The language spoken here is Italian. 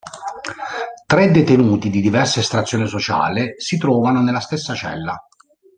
Tre detenuti di diversa estrazione sociale si trovano nella stessa cella.